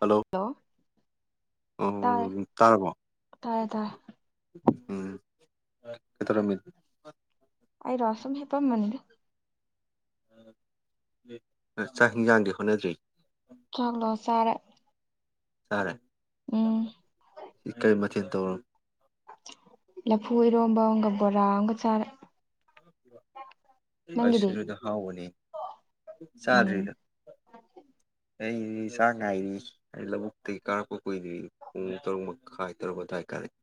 hello ꯇꯥꯔꯦ ꯎ ꯇꯔꯕꯣ ꯇꯥꯔꯦ ꯇꯥꯔꯦ ꯎꯝ ꯀꯇꯧꯔꯝ ꯑꯩꯔꯣ ꯁꯨꯝ ꯍꯤꯞꯄꯝꯃ ꯆꯥꯛ ꯍꯤꯡꯁꯥꯡꯗꯤ ꯍꯣꯠꯅꯗ꯭ꯔꯤ ꯆꯥꯛꯂꯣ ꯆꯥꯔꯦ ꯁꯥꯔꯦ ꯎꯝ ꯁꯤ ꯀꯔꯤ ꯃꯊꯦꯜ ꯇꯧꯔꯣ ꯂꯐꯨ ꯏꯔꯣꯝꯕ ꯑꯃꯒ ꯕꯣꯔꯥ ꯑꯝꯒ ꯆꯥꯔꯦ [unintelligible] ꯅꯪꯒꯤꯗꯤ ꯑꯩꯁꯨꯗ ꯍꯥꯎꯕꯅꯦ ꯎꯝ ꯆꯥꯗ꯭ꯔꯤꯗ ꯑꯩꯗꯤ ꯆꯥꯡ ꯉꯥꯏꯔꯤ ꯑꯩ ꯂꯧꯕꯨꯛꯇꯒꯤ ꯀꯥꯔꯛꯄ ꯀꯨꯏꯗ꯭ꯔꯤ ꯄꯨꯡ ꯇꯔꯨꯛ ꯃꯈꯥꯏ ꯇꯔꯨꯛ ꯃꯈꯥꯏ ꯀꯔꯛꯏ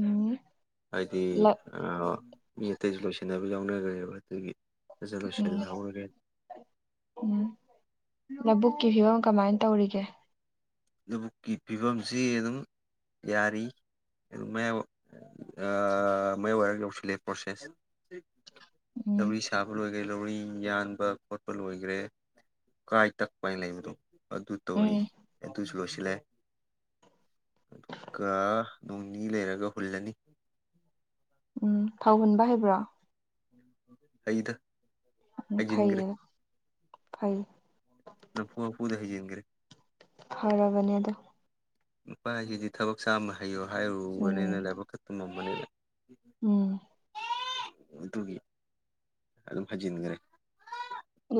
ꯎꯝ ꯑꯗꯤ ꯂ ꯑ ꯃꯤ ꯑꯇꯩꯁꯨ ꯂꯣꯏꯁꯤꯟꯅꯕ ꯌꯥꯎꯅꯈ꯭ꯔꯦꯕ ꯑꯗꯨꯒꯤ ꯐꯖ ꯎꯝ ꯂꯣꯏꯁꯤꯜꯍꯧꯔꯒꯦ ꯎꯝ ꯂꯧꯕꯨꯛ ꯀꯤ ꯐꯤꯕꯝ ꯀꯃꯥꯏꯅ ꯇꯧꯔꯤꯒꯦ ꯂꯧꯕꯨꯛꯀꯤ ꯐꯤꯕꯝꯁꯤ ꯑꯗꯨꯝ ꯌꯥꯔꯤ ꯑꯗꯨꯝ ꯑꯌꯥꯝꯕ ꯑꯥ ꯃꯌꯥꯏ ꯑꯣꯏꯔꯞ ꯌꯧꯁꯤꯜꯂꯛ ꯑ‌ꯦ ꯄ꯭ꯔꯣꯁꯦꯁ ꯎꯝ ꯗꯧꯔꯤ ꯁꯕ ꯑꯣꯏ ꯂꯧꯔꯤ ꯌꯥꯟꯕ ꯈꯣꯠꯄ ꯂꯣꯏꯈ꯭ꯔꯦ ꯀꯥꯏ ꯇꯛꯄ ꯍꯥꯏꯅ ꯂꯩꯕꯗꯣ ꯑꯗꯨ ꯇꯧꯔꯤ ꯎꯝ ꯑꯗꯨꯁꯨ ꯂꯣꯏꯁꯤꯜꯂꯦ ꯑꯗꯨꯒ ꯅꯣꯡꯅꯤ ꯂꯩꯔꯒ ꯍꯨꯜꯂꯅꯤ ꯎꯝ ꯊꯥꯎ ꯍꯟꯕ ꯍꯥꯏꯕ꯭ꯔꯣ ꯍꯩ ꯗ ꯎꯝ ꯐꯩꯌꯦ ꯐꯩ ꯅꯝꯐꯨ ꯅꯝꯐꯨꯗ ꯍꯩꯖꯤꯟꯒꯔꯦ ꯐꯥꯔꯕꯅꯤ ꯑꯗꯨ ꯅꯨꯄꯥꯁꯤꯗꯤ ꯊꯕꯛ ꯆꯥꯝꯃ ꯍꯩꯌꯣ ꯎꯝ ꯍꯥꯏꯔꯨꯕꯅꯤꯅ ꯂꯥꯏꯕꯛꯇꯥ ꯇꯝꯃꯝꯕꯅꯤꯅꯥ ꯎꯝ ꯑꯗꯨꯒꯤ ꯑꯗꯨꯝ ꯍꯩꯖꯤꯟꯈ꯭ꯔꯦ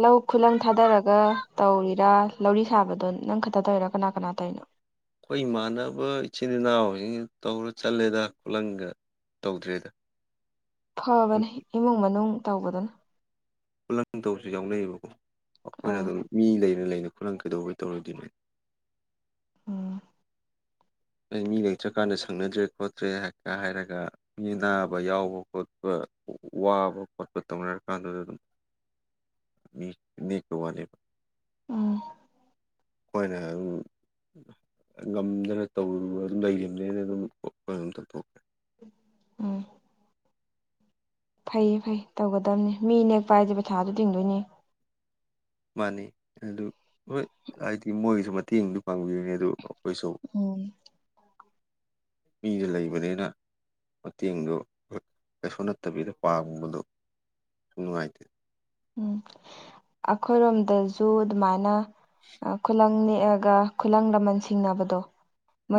ꯂꯧ ꯈꯨꯂꯪ ꯊꯥꯗꯔꯒ ꯇꯧꯔꯤꯔꯥ ꯂꯧꯔꯤ ꯁꯥꯕꯗꯣ ꯅꯪ ꯈꯛꯇ ꯇꯧꯔ ꯀꯅꯥ ꯀꯅꯥ ꯇꯧꯔꯤꯅꯣ ꯑꯩꯈꯣꯏ ꯏꯃꯥꯟꯅꯕ ꯏꯆꯤꯟ ꯏꯅꯥꯎꯁꯤꯡ ꯇꯧꯔ ꯆꯠꯂꯦꯗ ꯈꯨꯂꯪꯒ ꯇꯧꯗ꯭꯭ꯔꯤꯗ ꯐꯕꯅꯦ ꯏꯃꯨꯡ ꯃꯅꯨꯡ ꯇꯧꯕꯗꯨꯅ ꯈꯨꯂꯪ ꯇꯧꯁꯨ ꯌꯥꯎꯅꯩꯌꯦꯕꯀꯣ ꯑꯩꯈꯣꯏꯅ ꯑꯥ ꯑꯗꯨꯝ ꯃꯤ ꯂꯩꯅ ꯂꯩꯅꯕ ꯈꯨꯂꯪ ꯀꯩꯗꯧꯕꯦ ꯇꯧꯔꯨꯗ‌ꯣꯏꯅ‌ꯣ ꯎꯝ ꯑꯩ ꯃꯤ ꯂꯩꯇ꯭ꯔꯀꯥꯟꯗ ꯁꯪꯅꯗ꯭ꯔꯦ ꯈꯣꯠꯇ꯭ꯔꯦ ꯍꯥꯏꯔꯒ ꯃꯤ ꯑꯅꯥꯕ ꯌꯥꯎꯕ ꯈꯣꯠꯄ ꯋꯥꯕ ꯈꯣꯠꯄ ꯇꯧꯅꯔ ꯀꯥꯟꯗꯨꯗ ꯑꯗꯨꯝ [inaudible] ꯃꯤ ꯅ‌ꯦꯛꯄꯩ ꯋꯥꯅꯤꯦꯕ ꯑꯥ ꯑꯩꯈꯣꯏꯅ ꯑꯗꯨꯝ ꯉꯝꯗꯅ ꯇꯧꯔ ꯂ‌ꯩꯈꯤꯝꯅꯤꯅꯥ ꯑꯗꯨꯝ ꯑꯩꯈ‌ꯣꯏꯅꯥ ꯑꯗꯨꯝ ꯇ‌ꯣꯊ‌ꯣꯛꯈ꯭ꯔ‌ꯦ ꯎꯝ ꯐꯩꯌꯦ ꯐꯩ ꯇꯧꯒꯗꯕꯅꯤ ꯃꯤ ꯅꯦꯛꯄ ꯍꯥꯏꯁꯦ ꯄꯩꯁꯥꯗꯨ ꯇꯤꯡꯗꯣꯏꯅꯤ ꯃꯥꯅꯤ ꯑꯗꯨ ꯍꯣꯏ ꯍꯥꯏꯗꯤ ꯃꯣꯏꯒꯤꯁꯨ ꯃꯇꯦꯡꯗ ꯄꯥꯡꯕꯤꯕꯅꯦ ꯑꯗꯨ ꯎꯝ ꯃꯤꯅ ꯂꯩꯕꯅꯤꯅ ꯃꯇꯦꯡꯗꯨ ꯀꯩꯁꯨ ꯅꯠꯇꯕꯤꯗ ꯄꯥꯡꯕꯗꯣ ꯅꯨꯡꯉꯥꯏꯇꯦ ꯎꯝ ꯑꯩꯈꯣꯏꯔꯣꯝꯗꯁꯨ ꯑꯗꯨꯃꯥꯏꯅ ꯈꯨꯂꯪꯅꯤ ꯈꯨꯂꯪ ꯂꯃꯟ ꯁꯤꯡꯅꯕꯗꯣ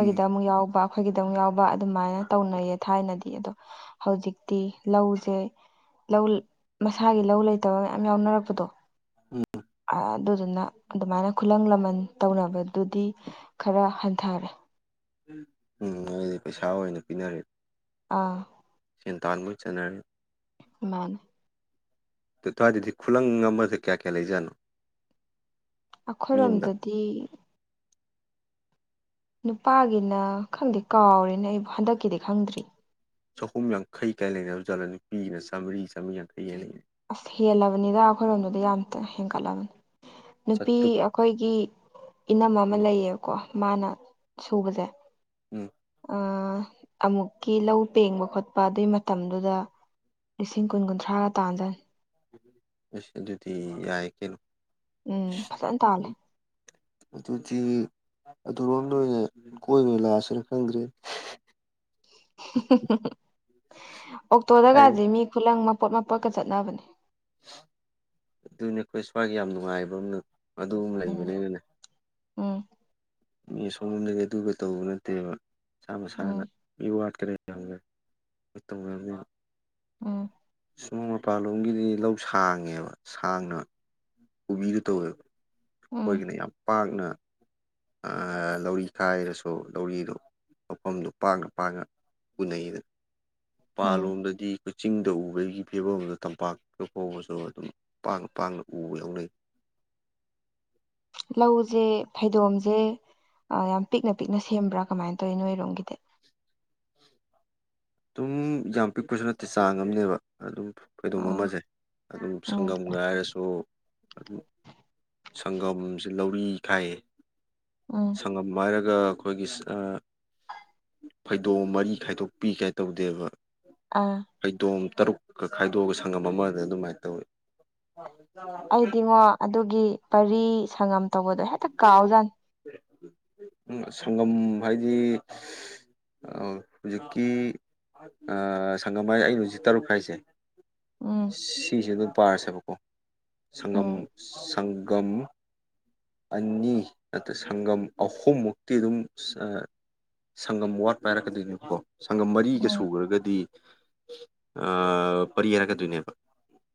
ꯎꯝ ꯑꯃꯨꯛ ꯌꯥꯎꯕ ꯑꯩꯈꯣꯏꯒꯤꯗꯧ ꯌꯥꯎꯕ ꯑꯗꯨꯃꯥꯏꯅ ꯇꯧꯅꯩꯌꯦ ꯊꯥꯏꯅꯗꯤ ꯑꯗꯣ ꯍꯧꯖꯤꯛꯇꯤ ꯂꯧꯁꯦ ꯂꯧ ꯃꯁꯥꯒꯤ ꯂꯧ ꯂꯩꯇꯕ ꯃꯌꯥꯝ ꯌꯥꯎꯅꯔꯛꯄꯗꯣ ꯑꯗꯨꯗꯨꯅ ꯑꯗꯨꯃꯥꯏꯅ ꯈꯨꯂꯪ ꯂꯃꯟ ꯇꯧꯅꯕꯗꯨꯗꯤ ꯈꯔ ꯍꯟꯊꯔꯦ ꯎꯝ ꯃꯣꯏꯗꯤ ꯄꯩꯁꯥ ꯑꯣꯏꯅ ꯄꯤꯅꯔ ꯑꯥ ꯁꯦꯟꯇꯥꯟꯕꯨ ꯆꯠꯅꯔ ꯃꯥꯅꯦ ꯊꯗꯤꯗꯤ ꯈꯨꯂꯪꯒꯥ ꯑꯃꯁ ꯀꯌꯥ ꯀꯌꯥ ꯂꯩꯖꯅꯣ ꯑꯩꯈꯣꯏꯔꯣꯝꯗꯗꯤ ꯅꯨꯄꯥꯒꯤꯅ ꯈꯪꯗꯦ ꯀꯥꯎꯔꯦꯅ ꯑꯩꯕꯨ ꯍꯟꯗꯛꯀꯤꯗꯤ ꯈꯪꯗ꯭ꯔꯤ ꯆꯍꯨꯝ ꯌꯥꯡꯈꯩ ꯀꯥꯏ ꯂꯩꯅꯕꯖꯠꯂ ꯅꯨꯄꯤꯒꯤꯅ ꯆꯥꯝꯃꯔꯤ ꯆꯥꯝꯃꯔꯤ ꯌꯥꯡꯈꯩ ꯀꯥꯏ ꯂꯩꯅꯩ ꯑꯁ ꯍꯦꯜꯂꯕꯅꯤꯗ ꯑꯩꯈꯣꯏꯔꯣꯝꯗꯨꯗꯤ ꯌꯥꯝꯇ ꯍꯦꯟꯀꯠꯂꯕꯅꯤ ꯅꯨꯄꯤ ꯆꯥꯇ꯭ꯔꯨꯛ ꯑꯩꯈꯣꯏꯒꯤ ꯏꯅꯝꯃ ꯑꯃ ꯂꯩꯌꯦꯕꯀꯣ ꯃꯥꯅ ꯁꯨꯕꯁꯦ ꯎꯝ ꯑꯃꯨꯛꯀꯤ ꯂꯧ ꯄꯦꯡꯕ ꯈꯣꯠꯄ ꯑꯗꯨꯏ ꯃꯇꯝꯗꯨꯗ ꯂꯤꯁꯤꯡ ꯀꯨꯟ ꯀꯨꯟꯊ꯭ꯔꯥꯒ ꯇꯥꯟꯖꯅꯤ ꯑꯁ ꯑꯗꯨꯗꯤ ꯌꯥꯌꯦ ꯀꯩꯅꯣ ꯎꯝ ꯐꯖꯅ ꯇꯥꯜꯂꯦ ꯑꯗꯨꯗꯤ ꯑꯗꯨꯔꯣꯝꯗ ꯑꯣꯏꯅ ꯀꯣꯏꯕꯩ ꯂꯥꯛꯑꯁꯤꯔ ꯈꯪꯗ꯭ꯔꯦ ꯑꯣꯛꯇꯣꯗ ꯍꯥꯏ ꯀꯥꯁꯦ ꯃꯤ ꯈꯨꯂꯪ ꯄꯣꯠ ꯃꯄꯣꯠꯀ ꯆꯠꯅꯕꯅꯦ ꯑꯗꯨꯅꯦ ꯑꯩꯈꯣꯏ ꯁ꯭ꯋꯥꯏꯒꯤ ꯌꯥꯝ ꯅꯨꯡꯉꯥꯏꯕ ꯑꯃꯅ ꯑꯗꯨꯝ ꯎꯝ ꯂꯩꯕꯅꯤꯅꯅꯦ ꯎꯝ ꯃꯤ ꯁꯣꯝꯗꯗꯤ ꯑꯗꯨꯒ ꯇꯧꯕ ꯅꯠꯇꯦꯕ ꯏꯁꯥ ꯎꯝ ꯃꯁꯥꯅ ꯃꯤ ꯋꯥꯠꯈꯔꯦ ꯌꯥꯝ ꯇ ꯎꯝ ꯁꯃ ꯃꯄꯥꯟꯂꯣꯝꯒꯤꯗꯤ ꯂꯧ ꯁꯥꯡꯉꯦꯕ ꯁꯥꯡꯅ ꯎꯕꯤꯒ ꯇꯧꯋꯦꯕ ꯎꯝ ꯑꯩꯈꯣꯏꯒꯤꯅ ꯌꯥꯝ ꯄꯥꯛꯅ ꯂꯧꯔꯤ ꯈꯥꯏꯔꯁꯨ ꯂꯧꯔꯤꯗꯣ ꯃꯐꯝꯗꯣ ꯄꯥꯛꯅ ꯄꯥꯛꯅ ꯎꯅꯩꯗꯅ ꯎꯝ ꯃꯄꯥꯥꯜꯂꯣꯝꯗꯗꯤ ꯆꯤꯡꯗ ꯎꯕꯒꯤ ꯐꯤꯕꯝꯗ ꯇꯝꯄꯥꯛꯇ ꯐꯥꯎꯕꯁꯨ ꯑꯗꯨꯝ ꯄꯥꯛꯅ ꯄꯥꯛꯅ ꯎꯕ ꯌꯥꯎꯅꯩ ꯂꯧꯁꯦ ꯐꯩꯗꯣꯝꯁꯦ ꯌꯥꯝ ꯄꯤꯛꯅ ꯄꯤꯛꯅ ꯁꯦꯝꯕ꯭ꯔꯥ ꯀꯃꯥꯏꯅ ꯇꯧꯋꯤ ꯅꯣꯏꯔꯣꯝꯒꯤꯗꯤ ꯑꯗꯨꯝ ꯌꯥꯝ ꯄꯤꯛꯄꯁꯨ ꯅꯠꯇꯦ ꯆꯥꯡ ꯑꯃꯅꯦꯕ ꯑꯗꯨꯝ ꯐꯩꯏꯗꯣꯝ ꯑꯥ ꯑꯃꯁꯦ ꯑꯗꯨꯝ ꯎꯝ ꯁꯪꯉꯥꯝꯒ ꯍꯥꯏꯔꯁꯨ ꯑꯗꯨ ꯁꯪꯒꯝꯁꯦ ꯂꯧꯔꯤ ꯈꯥꯏꯌꯦ ꯎꯝ ꯁꯪꯒꯝ ꯍꯥꯏꯔꯒ ꯑꯗꯨꯒ ꯑꯩꯈꯣꯏꯒꯤ ꯐꯩꯗꯣꯝ ꯃꯔꯤ ꯈꯥꯏꯗꯣꯛꯄꯤ ꯀꯥꯏ ꯇꯧꯗꯦꯕ ꯑꯥ ꯐꯩꯗꯣꯝ ꯇꯔꯨꯛꯀ ꯈꯥꯏꯗꯣꯛꯑꯒ ꯁꯪꯉꯝ ꯑꯃꯗ ꯑꯗꯨꯃꯥꯏꯅ ꯇꯧꯋꯤ ꯑꯩꯗꯤꯉꯣ ꯑꯗꯨꯒꯤ ꯄꯔꯤ ꯁꯪꯉꯝ ꯇꯧꯕꯗꯣ ꯍꯦꯛꯇ ꯀꯥꯎꯖꯥꯠꯅꯤ ꯎ ꯁꯪꯒꯝ ꯍꯥꯏꯥꯏꯗꯤ ꯑ ꯍꯧꯖꯤꯛꯀꯤ ꯁꯪꯉꯝ ꯍꯥꯢꯁꯦ ꯑꯩꯅ ꯍꯧꯖꯤꯛ ꯇꯔꯨꯛ ꯍꯥꯏꯁꯦ ꯎꯝ ꯁꯤꯁꯤꯗ ꯄꯥꯔꯁꯦꯕꯀꯣ ꯁꯪꯒꯝ ꯎꯝ ꯁꯪꯒꯝ ꯑꯅꯤ ꯅꯠꯇ꯭ꯔ ꯁꯪꯒꯝ ꯑꯍꯨꯝꯃꯨꯛꯇꯤ ꯑꯗꯨꯝ ꯁꯪꯒꯝ ꯋꯥꯠ ꯄꯥꯏꯔꯛꯀꯗꯣꯏꯅꯦꯕꯀꯣ ꯁꯪꯒꯝ ꯃꯔꯤꯒ ꯎꯝ ꯁꯨꯈ꯭ꯔꯒꯗꯤ ꯄꯔꯤ ꯌꯥꯔꯛꯀꯗꯣꯏꯅꯦꯕ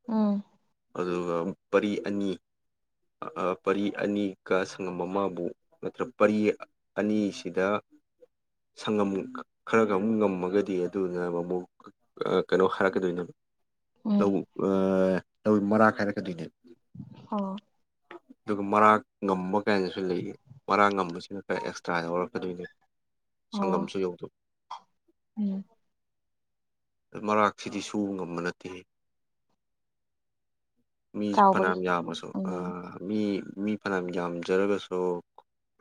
ꯎꯝ ꯑꯗꯨꯒ ꯄꯔꯤ ꯑꯅꯤ ꯄꯔꯤ ꯑꯅꯤꯒ ꯁꯪꯉꯝ ꯑꯃꯕꯨ ꯅꯠꯇ꯭ꯔ ꯄꯔꯤ ꯑꯅꯤꯁꯤꯗ ꯁꯪꯒꯝ ꯈꯔꯒ ꯑꯃꯨꯛ ꯉꯝꯃꯒꯗꯤ ꯑꯗꯨꯅ ꯑꯃ ꯑꯃꯛ ꯀꯩꯅꯣ ꯍꯥꯏꯔꯛꯀꯗꯣꯏꯅ ꯎꯝ ꯇꯧ ꯇꯧꯤ ꯃꯔꯥ ꯈꯥꯏꯔꯛꯀꯗꯣꯏꯅꯦ ꯑꯣ ꯑꯗꯨꯒ ꯃꯔꯥꯡ ꯉꯝꯕ ꯀꯥꯏꯅꯁꯨ ꯂꯩꯌꯦ ꯃꯔꯥꯡ ꯉꯝꯕꯁꯤꯅ ꯈꯔ ꯑꯦꯛꯁꯇ꯭ꯔꯥꯗ ꯂꯧꯔꯛꯀꯗꯣꯏꯅꯦꯕ ꯑꯣ ꯁꯪꯒꯝꯁꯨ ꯌꯧꯗꯣꯏ ꯎꯝ ꯃꯔꯥꯛꯁꯤꯗꯤ ꯁꯨꯕ ꯉꯝꯕ ꯅꯠꯇꯦ ꯃꯤ ꯆꯥꯎꯕꯒꯤ ꯐꯅꯌꯥꯝ ꯌꯥꯝꯃꯁꯨ ꯎꯝ ꯃꯤ ꯃꯤ ꯐꯅꯌꯥꯝ ꯌꯥꯝꯖꯔꯒꯁꯨ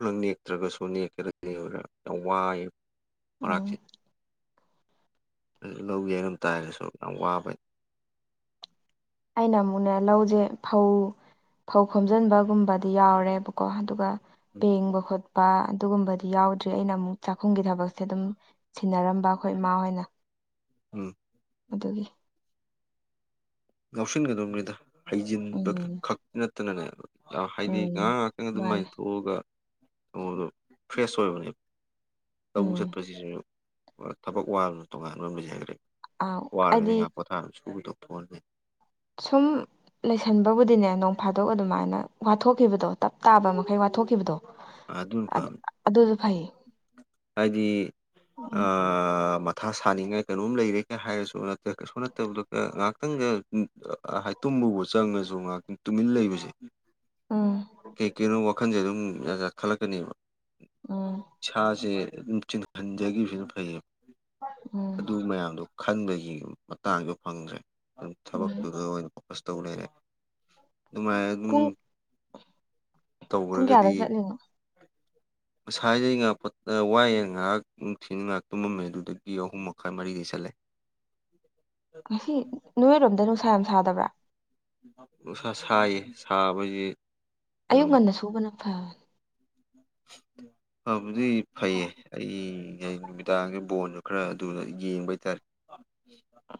ꯂꯪ ꯅꯦꯛꯇ꯭ꯔꯒꯁꯨ ꯅꯦꯛꯀ꯭ꯔꯒ ꯌꯥꯝ ꯋꯥꯏꯑ ꯃꯔꯥꯛꯁꯤ ꯎꯝ ꯂꯧ ꯌꯦꯡꯉꯝ ꯇꯥꯔꯒꯁꯨ ꯌꯥꯝ ꯋꯥꯕꯅꯤ ꯑꯩꯅ ꯑꯃꯨꯛꯅꯦ ꯂꯧꯖꯦ ꯐꯧ ꯐꯧ ꯈꯣꯝꯖꯤꯟꯕꯒꯨꯝꯕꯗꯤ ꯌꯥꯎꯔꯦꯕꯀꯣ ꯑꯗꯨꯒ ꯄꯦꯡꯕ ꯈꯣꯠꯄ ꯄ ꯑꯗꯨꯒꯨꯝꯕꯗꯤ ꯌꯥꯎꯗ꯭ꯔꯤ ꯑꯩꯅ ꯑꯃꯨꯛ ꯆꯥꯛꯈꯨꯝꯒꯤ ꯊꯕꯛꯁꯦ ꯑꯗꯨꯝ ꯁꯤꯟꯅꯔꯝꯕ ꯑꯩꯈꯣꯏ ꯏꯃꯥ ꯍꯣꯏꯅ ꯎꯝ ꯑꯗꯨꯒꯤ ꯉ ꯂꯧꯁꯤꯟꯒꯗꯧꯅꯤꯗ ꯍꯩꯖꯤꯟꯕ ꯎꯝ ꯈꯛꯇꯤ ꯅꯠꯇꯅꯅꯦꯕ ꯍꯥꯏꯗꯤ ꯎꯝ ꯉꯥꯏꯍꯥꯛ ꯉꯥꯏꯍꯥꯛꯇꯪ ꯃꯥꯅꯦ ꯑꯗꯨꯃꯥꯏꯅ ꯊꯣꯛꯑꯒ ꯊꯉꯣꯗꯣ ꯐ꯭ꯔꯦꯁ ꯑꯣꯏꯕꯅꯦꯕ ꯂꯧꯕꯛ ꯎꯝ ꯆꯠꯄꯁꯤꯁꯨ ꯊꯕꯛ ꯋꯥꯕꯅ ꯇꯣꯉꯥꯟꯕ ꯃꯤꯖꯈ꯭ꯔꯦ ꯑꯥꯎ ꯋꯥꯔ ꯑꯩꯗꯤ ꯉ ꯄꯣꯊꯥ ꯁꯨꯗ ꯐꯣꯟꯅꯤ ꯁꯨꯝ ꯂꯩꯁꯟꯕꯕꯨꯗꯤꯅꯦ ꯅꯣꯡ ꯐꯥꯗꯣꯛ ꯑꯗꯨꯃꯥꯏꯅ ꯋꯥꯊꯣꯛꯈꯤꯕꯗꯣ ꯇꯞ ꯇꯥꯕ ꯃꯈꯩ ꯋꯥꯊꯣꯛꯈꯤꯕꯗꯣ ꯑꯗꯨꯅ ꯐꯕꯅꯤ ꯑꯗꯨꯁꯨ ꯐꯩ ꯍꯥꯏꯗꯤ ꯎꯝ ꯑ ꯊꯥ ꯁꯥꯅꯤꯡꯉꯥꯏ ꯀꯩꯅꯣꯝ ꯂꯩꯔꯦꯒ ꯍꯥꯏꯔꯁꯨꯠꯇ ꯀꯩꯁꯨ ꯅꯠꯇꯕꯗ ꯉꯥꯏꯍꯥꯛꯇꯪ ꯨꯕ ꯆꯪꯉꯁꯨ ꯉꯥꯏꯍꯥꯛꯇꯪ ꯇꯨꯃꯤꯟ ꯂꯩꯕꯁꯦ ꯎꯝ ꯀꯩ ꯀꯩꯅꯣ ꯋꯥꯈꯟꯁꯦ ꯑꯗꯨꯝ ꯈꯜꯂꯛꯀꯅꯦꯕ ꯎꯝ ꯁꯥꯁꯦ ꯑꯗꯨꯝ ꯆꯤꯡꯍꯟꯖꯈꯤꯕꯁꯨ ꯐꯩꯌꯦꯕ ꯎꯝ ꯑꯗꯨ ꯃꯌꯥꯝꯗꯣ ꯈꯟꯕꯒꯤ ꯃꯇꯥꯡꯗ ꯐꯪꯗ꯭ꯔꯦ ꯊꯕꯣꯛ ꯎꯝ ꯇꯗ ꯄꯀꯁꯇ ꯎꯅꯔ ꯑꯗꯨꯃꯥꯏꯅ ꯑꯗꯨꯝ ꯄꯨꯡ ꯄꯨꯡ ꯀꯌꯥꯗ ꯇꯧꯈ꯭ꯔꯒꯗꯤ ꯆꯠꯂꯤꯅꯣ [unintelligible] ꯉꯁꯥꯏꯗꯩ ꯉꯥꯏꯍꯥꯛ ꯋꯥꯏꯌꯦꯦꯅ ꯉꯥꯏꯍꯥꯛ ꯅꯨꯡꯊꯤ ꯉꯥꯏꯍꯥꯛ ꯇꯨꯝꯃꯝꯃꯦ ꯑꯗꯨꯗꯒꯤ ꯑꯍꯨꯝ ꯃꯈꯥꯏ ꯃꯔꯤꯗꯩ ꯆꯠꯂꯦ [unintelligible] ꯉꯁꯤ ꯅꯣꯏꯔꯣꯝꯗ ꯅꯨꯡꯁꯥ ꯌꯥꯝ ꯁꯥꯗꯕ꯭ꯔꯥ ꯅꯨꯡꯁꯥ ꯁꯥꯏꯌꯦ ꯁꯥꯕꯁꯤ ꯑꯌꯨꯛ ꯉꯟꯗ ꯁꯨꯕꯅ ꯐꯕꯅꯤ ꯎꯝ ꯐꯕꯗꯤ ꯐꯩꯌꯦ ꯑꯩꯩꯅ ꯅꯨꯃꯤꯗꯥꯡꯒꯤ ꯕꯣꯟꯗꯣ ꯈꯔ ꯑꯗꯨꯅ ꯌꯦꯡꯕ ꯍꯥꯏꯇꯥꯔꯦ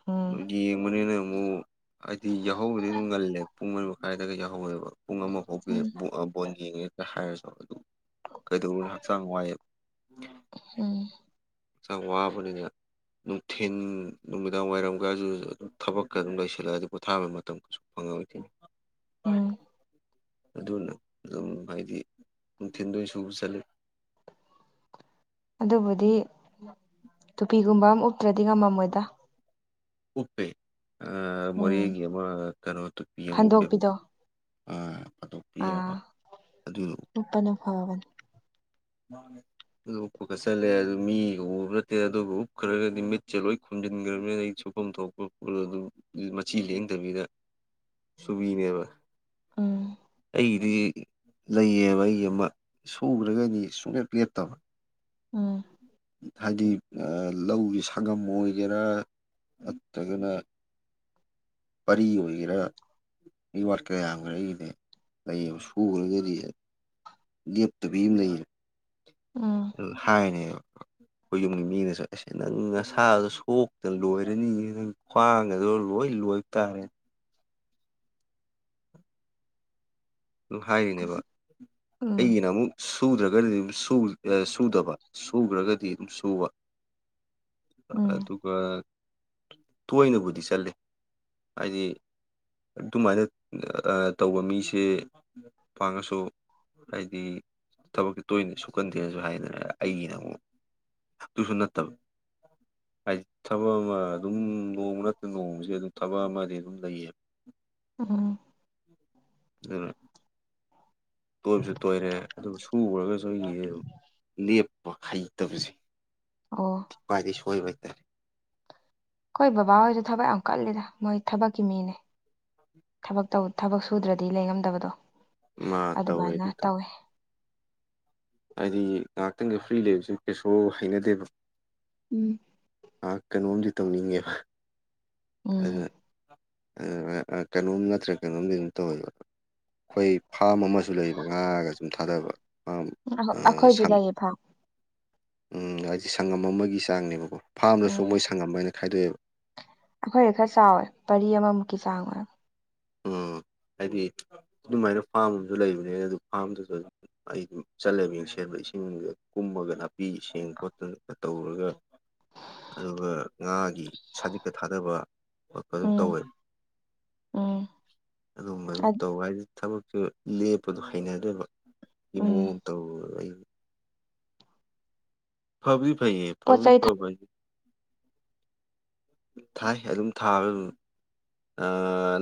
ꯎꯝ ꯌꯦꯡꯕꯅꯤꯅ ꯑꯃꯨꯛ ꯍꯥꯏꯗꯤ ꯌꯥꯎꯍꯧꯕꯗꯤ ꯑꯗꯨꯝ ꯉꯜꯂꯦ ꯄꯨꯡ ꯀꯥꯏꯗꯗꯒꯤ ꯌꯥꯎꯍꯧꯋꯦꯕ ꯄꯨꯡ ꯑꯃ ꯐꯥꯎꯒꯦ ꯎꯝ ꯕꯣꯟ ꯌꯦꯡꯉꯦ ꯍꯥꯏꯔꯁꯨ ꯑꯗꯨ ꯀꯩꯗꯧꯕꯅ ꯍꯛꯆꯥꯡ ꯋꯥꯏꯑꯕ ꯎꯝ ꯍꯛꯆꯥꯡ ꯋꯥꯕꯅꯤꯅ ꯅꯨꯡꯊꯤꯟ ꯅꯨꯃꯤꯗꯥꯡ ꯋꯥꯏꯔꯝꯒꯁꯨ ꯑꯗꯨꯝ ꯊꯕꯛꯀ ꯑꯗꯨꯝ ꯂꯩꯁꯤꯜꯂꯛꯑꯗꯤ ꯄꯣꯊꯥꯕ ꯃꯇꯝ ꯀꯁꯨ ꯐꯪꯉꯦ ꯎꯝ ꯑꯗꯨꯅ ꯑꯗꯨꯝ ꯍꯥꯏꯗꯤ ꯊꯗ ꯁꯨꯕꯁꯂ ꯑꯗꯨꯕꯨꯗꯤ ꯇꯨꯄꯤꯒꯨꯝꯕ ꯑꯃ ꯎꯞꯇ꯭ꯔꯗꯤ ꯉꯝꯃꯝꯃꯣꯏꯗ ꯎꯄꯦ ꯑ ꯎꯝ ꯃꯔꯤꯒꯤ ꯑꯃ ꯀꯩꯅꯣ ꯇ ꯄꯤꯦꯝ ꯎꯄꯦ ꯐꯟꯗꯣꯛꯄꯤꯗꯣ ꯐꯥꯊꯣꯛꯄꯤꯑꯕ ꯑꯥ ꯑꯗꯨꯔ ꯎꯞꯄꯅ ꯐꯕꯅꯤ ꯃꯥ [inaudible] ꯑꯗꯨ ꯎꯞꯄ ꯈꯠ ꯆꯜꯂꯦ ꯑꯗꯨ ꯃꯤꯒ ꯎꯕ ꯅꯠꯇꯦ ꯑꯗꯨꯒ ꯎꯞꯈ꯭ꯔꯒꯗꯤ ꯃꯤꯠꯁꯦ ꯂꯣꯏ ꯈꯣꯨꯝꯖꯤꯟꯈ꯭ꯔꯕꯅꯤꯅ ꯑꯩꯁꯨ ꯊꯣꯛꯐꯝ ꯊꯣꯛꯄ ꯑꯗꯨꯝ ꯃꯆꯤ ꯂꯦꯡꯗꯕꯤꯗ ꯁꯨꯕꯤꯅꯦꯕ ꯑ [unintelligible] [inaudible] ꯑꯩꯒꯤꯗꯤ ꯂꯩꯌꯦꯕ ꯑꯩꯒꯤ ꯑꯃ ꯁꯨꯈ꯭ꯔꯒꯗꯤ ꯁꯨꯡꯂꯦ ꯄꯦꯠꯇꯕ ꯎꯝ ꯍꯥꯏꯗꯤ ꯂꯧꯒꯤ ꯁꯪꯒꯝ ꯑꯣꯏꯒꯦꯔꯥ ꯅꯠꯇ꯭ꯔꯒꯅ ꯄꯔꯤ ꯑꯣꯏꯒꯔ ꯑꯩ ꯋꯥꯠꯀ ꯌꯥꯝꯈ꯭ꯔꯦ ꯑꯩꯒꯤꯅꯦ ꯂꯩ ꯑꯃ ꯁꯈ꯭ꯔꯒꯗꯤ ꯂꯦꯞꯇꯕꯤ ꯑꯃ ꯂꯩ ꯍꯥꯏꯅꯦꯕ ꯍ [unintelligible] [inaudible] ꯑꯩꯈꯣꯏ ꯌꯨꯝꯒꯤ ꯃꯤꯅ ꯆꯠꯂꯁꯦ ꯅꯪ ꯅꯁꯥꯗ ꯁꯣꯛꯇꯅ ꯂꯣꯏꯔꯅꯤ ꯅꯪ ꯈ꯭ꯋꯥꯡ ꯑꯗꯣ ꯂꯣꯏ ꯍꯣꯏꯇꯥꯔꯦ ꯑꯗꯨꯝ ꯍꯥꯏꯔꯤꯅꯦꯕ ꯎꯝ ꯑꯩꯒꯤꯅ ꯑꯃꯨꯛ ꯁꯨꯗ꯭ꯔꯒꯗꯤꯝ ꯁꯨꯗꯕ ꯁꯨꯈ꯭ꯔꯒꯗꯤ ꯑꯗꯨꯝ ꯁꯨꯕ ꯎꯝ ꯑꯗꯨꯒ ꯇꯣꯏꯅꯕꯨꯗꯤ ꯆꯠꯂꯦ ꯍꯥꯏꯗꯤ ꯑꯗꯨꯃꯥꯏꯅ ꯇꯧꯕ ꯃꯤꯁꯦ ꯐꯪꯉꯁꯨ ꯍꯥꯏꯗꯤ ꯊꯕꯛꯁꯤ ꯇꯣꯏꯅ ꯁꯨꯀꯟꯗꯦꯅꯁꯨ ꯍꯥꯏꯗꯔꯦ ꯑꯩꯒꯤꯅ ꯑꯃꯨꯛ ꯇꯨ ꯁꯅ ꯇꯕ [inaudible] ꯍꯥꯏꯗꯤ ꯊꯕꯛ ꯑꯃ ꯑꯗꯨꯝ ꯅꯣꯡꯃ ꯅꯠꯇꯦ ꯅꯣꯡꯃꯁꯦ ꯑꯗꯨꯝ ꯊꯕꯛ ꯑꯃꯗꯤ ꯑꯗꯨꯝ ꯂꯩꯌꯦꯕ ꯎꯝ ꯎꯝ [inaudible] [unintelligible] [inaudible] ꯇꯣꯏꯕꯁꯨ ꯇꯣꯏꯔꯦ ꯑꯗꯨꯒ ꯁꯨꯈꯨꯔꯒꯁꯨ ꯑꯩꯒꯤ ꯑꯗꯨ ꯂꯦꯞꯄ ꯍꯩꯇꯕꯁꯦ ꯑꯣ ꯈ꯭ꯋꯥꯏꯗꯒꯤꯩ ꯁꯣꯏꯕꯩ ꯍꯣꯏ ꯕꯕꯥ ꯍꯣꯏꯗꯣ ꯊꯕꯛ ꯌꯥꯝ ꯀꯜꯂꯤꯗ ꯃꯣꯏ ꯊꯕꯛꯀꯤ ꯃꯤꯅꯦ ꯊꯕꯛ ꯁꯨꯗ꯭ꯔꯗꯤ ꯂꯩꯉꯝꯗꯕꯗꯣ ꯃꯥ ꯇꯧꯋꯦ ꯑꯗꯨꯃꯥꯏꯅ ꯑꯗꯨ ꯇꯧꯋꯦ ꯍꯥꯏꯗꯤ ꯉꯥꯏꯍꯥꯛꯇꯪꯒ ꯐ꯭ꯔꯤ ꯂꯩꯕꯁꯨ ꯀꯩꯁꯨ ꯍꯩꯅꯗꯦꯕ ꯎꯝ ꯑ ꯀꯩꯅꯣꯝꯁꯤ ꯇꯧꯅꯤꯡꯉ ꯎꯝ [inaudible] ꯀꯩꯅꯣꯝ ꯅꯠꯇ꯭ꯔꯦ ꯀꯩꯅꯣꯝꯗꯤ ꯑꯗꯨꯝ ꯇꯧꯋꯕ ꯑꯩꯈꯣꯏ ꯐꯥꯝ ꯑꯃꯁꯨ ꯂꯩꯕ ꯉꯥꯔꯒ ꯁꯨꯝ ꯊꯥꯗꯕ ꯐꯥꯝ ꯑꯥ ꯑꯈꯣꯏ ꯁꯪ ꯂꯥꯏꯌꯦꯐꯥꯎ ꯎꯝ ꯍꯥꯏꯗꯤ ꯁꯪꯉꯝ ꯑꯃꯒꯤ ꯆꯥꯡꯅꯦꯕꯀꯣ ꯐꯥꯔꯝꯗꯁꯨ ꯃꯣꯏ ꯁꯪꯉꯝ ꯍꯥꯏꯅ ꯈꯥꯏꯗꯣꯛꯑꯦꯕ ꯑꯩꯈꯣꯏꯅ ꯈꯔ ꯆꯥꯎꯋꯦ ꯄꯔꯤ ꯑꯃꯃꯨꯛꯀꯤ ꯆꯥꯡ ꯑꯣꯏꯕ ꯎꯝ ꯍꯥꯏꯗꯤ ꯑꯗꯨꯃꯥꯏꯅ ꯐꯥꯔꯝ ꯑꯃꯁꯨ ꯂꯩꯕꯅꯦ ꯑꯗꯨ ꯐꯥꯔꯝꯗꯨꯁꯨ ꯑꯗꯨꯝ ꯑꯩꯝ ꯆꯠꯂꯦꯕ ꯌꯦꯡ ꯁꯦꯝꯕ ꯏꯁꯤꯡꯗ ꯀꯨꯝꯃꯒ ꯅꯥꯄꯤ ꯏꯁꯤꯡꯦꯡ ꯈꯣꯠꯠꯇꯅꯒ ꯇꯧꯔꯒ ꯑꯗꯨꯒ ꯉꯥꯒꯤ ꯁꯥꯖꯤꯀ ꯊꯥꯗꯕ ꯑꯗꯨꯝ ꯎꯝ ꯇꯧꯋꯦꯕ ꯎꯝ ꯑꯗꯨꯒꯝꯕ ꯑꯗꯨꯝ ꯇꯧ ꯍꯥꯏꯗꯤꯦ ꯊꯕꯛꯁꯨꯨ ꯂꯦꯞꯄꯗꯣ ꯍꯩꯅꯗ꯭ꯔꯦꯕ ꯏ ꯎꯝ ꯃꯑꯣꯡ ꯇꯧ ꯑꯩ ꯐꯕꯔꯤ ꯐꯌꯦ ꯄꯣꯠ ꯐꯕꯔꯤ ꯆꯩ ꯐ ꯊꯥꯏ ꯑꯗꯨꯝ ꯊꯥꯕ ꯑꯗꯨ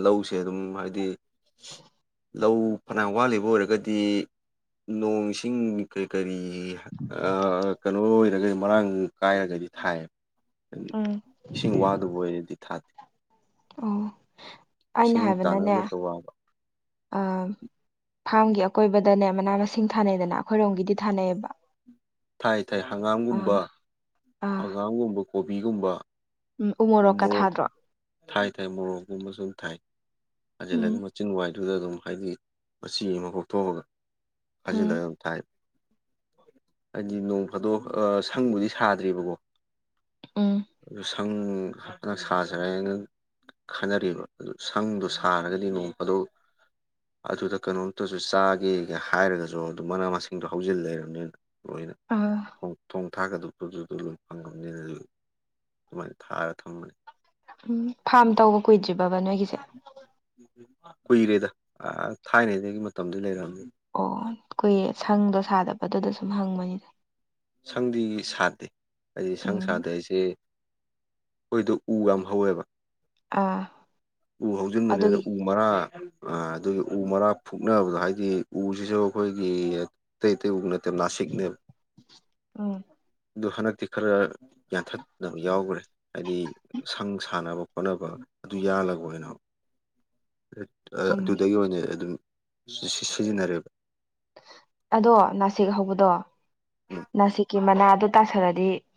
ꯂꯧꯁꯦ ꯑꯗꯨꯝ ꯍꯥꯏꯕꯗꯤ ꯂꯧ ꯐꯅ ꯋꯥꯠꯂꯤꯕ ꯑꯣꯏꯔꯒꯗꯤ ꯅꯣꯡ ꯏꯁꯤꯡ ꯀꯔꯤ ꯀꯔꯤ ꯀꯩꯅꯣ ꯑꯣꯏꯔꯒꯗꯤ ꯃꯔꯥꯡ ꯀꯥꯏꯔꯒꯗꯤ ꯊꯥꯏꯌꯦꯕ ꯎꯝ ꯏꯁꯤꯡ ꯋꯥꯗꯕꯔꯗꯤ ꯊꯥꯗꯦ ꯑꯣ ꯑꯩꯅ ꯏꯁꯤꯡ ꯍꯥꯏꯕꯅꯅꯦ ꯇꯥꯅꯕꯗꯇ ꯋꯥꯡꯕ ꯑꯥ ꯐꯥꯝꯒꯤ ꯑꯀꯣꯏꯕꯗꯅꯦ ꯃꯅꯥ ꯃꯁꯤꯡ ꯊꯥꯅꯩꯗꯅ ꯑꯩꯈꯣꯏꯔꯣꯝꯒꯤꯗꯤ ꯊꯥꯅꯩꯌꯦꯕ ꯊꯥꯏ ꯊꯥꯏ ꯑꯥ ꯍꯪꯒꯥꯝꯒꯨꯝꯕ ꯑꯥ ꯍꯪꯒꯥꯝꯒꯨꯝꯕ ꯀꯣꯕꯤꯒꯨꯝꯕ ꯎꯝ ꯑꯗꯨꯝ ꯎꯃꯣꯔꯣꯛꯀ ꯃꯣꯔꯣꯛ ꯊꯥꯗ꯭ꯔꯣ ꯊꯥꯏ ꯊꯥꯏ ꯃꯣꯔꯣꯛꯀꯨꯝꯕꯁꯨ ꯑꯗꯨꯝ ꯊꯥꯏ ꯑꯁꯤꯂ ꯑꯗꯨꯝ ꯎꯝ ꯃꯆꯤꯟ ꯋꯥꯏ ꯗꯨꯗ ꯑꯗꯨꯝ ꯍꯥꯏꯗꯤ ꯃꯆꯤ ꯑꯃ ꯀꯣꯛꯊꯣꯛꯑꯒ ꯐꯥꯖꯤꯜꯂꯒ ꯎꯝ ꯑꯗꯨꯝ ꯊꯥꯏ ꯍꯥꯏꯗꯤ ꯅꯣꯡ ꯐꯥꯗꯣꯛ ꯁꯪꯕꯨꯗꯤ ꯁꯥꯗ꯭ꯔꯤꯕꯀꯣ ꯎꯝ ꯑꯗꯨ ꯁꯪ ꯈꯔ ꯁꯥꯖꯔꯑꯩꯅ ꯈꯟꯅꯔꯤꯕ ꯑꯗꯨ ꯁꯪꯗꯣ ꯁꯥꯔꯒꯗꯤ ꯅꯣꯡ ꯐꯗꯣꯛ ꯑꯗꯨꯗ ꯀꯩꯅꯣꯝꯇꯁꯨ ꯆꯥꯒꯦꯒ ꯍꯥꯏꯔꯒꯁꯨ ꯑꯗꯨ ꯃꯅꯥ ꯃꯁꯤꯡꯗꯣ ꯍꯧꯖꯤꯜ ꯂꯩꯔꯝꯅꯤꯅ ꯂꯣꯏꯅ ꯑꯥ ꯊ‌ꯣꯡ ꯊꯣꯡ ꯊꯥꯛꯒꯗꯕ ꯗꯨꯗꯨ ꯑꯗꯨ ꯂꯣꯏ ꯐꯪꯂꯝꯅꯤꯅ ꯑꯗꯨ ꯑꯗꯨꯃꯥꯏꯅ ꯊꯥꯔ ꯊꯝꯕꯅꯤ ꯎꯝ ꯐꯥꯝ ꯇꯧꯕ ꯀꯨꯏꯗ꯭ꯔꯤꯕꯕꯥ ꯅꯣꯏꯒꯤꯁꯦ ꯀꯨꯏꯔꯦꯗ ꯑ ꯊꯥꯏꯅꯩꯗꯒꯤ ꯃꯇꯝꯗꯨ ꯂꯩꯔꯝꯃꯦ ꯑꯣ ꯀꯨꯏꯔꯦ ꯁꯪꯗꯣ ꯁꯥꯗꯕꯗꯨꯗ ꯁꯨꯝ ꯍꯪꯕꯅꯤꯗ ꯁꯪꯗꯤ ꯁꯥꯗꯦ ꯍꯥꯏꯗꯤ ꯁꯪ ꯎꯝ ꯁꯥꯗꯦ ꯍꯥꯏꯁꯦ ꯈꯣꯏꯗꯨ ꯎ ꯌꯥꯝ ꯍꯧꯋꯦꯕ ꯑꯥ ꯎ ꯍꯧꯖꯤꯟꯕꯅꯤꯅ ꯑꯗꯨꯒꯤ ꯎ ꯃꯔꯥ ꯑꯗꯨꯒꯤ ꯎ ꯃꯔꯥ ꯐꯨꯛꯅꯕꯗꯣ ꯍꯥꯏꯗꯤ ꯎꯁꯤꯁꯨ ꯑꯩꯈꯣꯏꯒꯤ ꯑꯇꯩ ꯑꯇꯩ ꯎ ꯅꯠꯇꯦ ꯅꯥꯁꯤꯛ ꯄꯤꯛꯅꯦꯕ ꯎꯝ ꯑꯗꯨ ꯍꯟꯗꯛꯇꯤ ꯈꯔ ꯌꯥꯟꯊꯠꯅꯕ ꯌꯥꯎꯒ꯭ꯔꯦ ꯍꯥꯏꯗꯤ ꯁꯪ ꯁꯥꯟꯅꯕ ꯈꯣꯠꯅꯕ ꯑꯗꯨ ꯌꯥꯜꯂꯒ ꯑꯣꯏꯅ ꯎꯝ ꯑꯗꯨꯗꯒꯤ ꯑꯣꯏꯅ ꯑꯗꯨꯝ ꯁꯤꯖꯤꯟꯅꯔꯦꯕ ꯑꯗꯣ ꯅꯥꯁꯤꯛ ꯍꯧꯕꯗꯣ ꯅꯥꯁꯤꯛꯀꯤ ꯃꯅꯥꯗꯣ ꯇꯥꯁꯤꯜꯂꯗꯤ